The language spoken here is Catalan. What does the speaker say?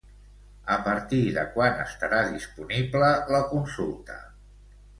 A partir de quan estarà disponible la consulta?